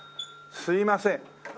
すいません